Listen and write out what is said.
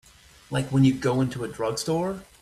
Like when you go into a drugstore.